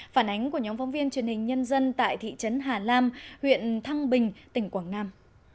phản ánh của nhóm phóng viên truyền hình nhân dân tại thị trấn hà lam huyện thăng bình tỉnh quảng nam